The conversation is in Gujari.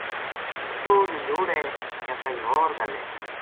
توہ نجوڑ ہے یا کائے ہو ر گل ہے